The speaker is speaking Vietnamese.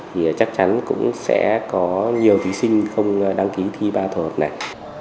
thì chắc chắn cũng sẽ có nhiều thí sinh không đăng ký thi ba tổ hợp này